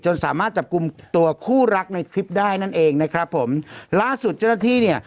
สามารถจับกลุ่มตัวคู่รักในคลิปได้นั่นเองนะครับผมล่าสุดเจ้าหน้าที่เนี่ย